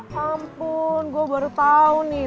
ampun gue baru tahu nih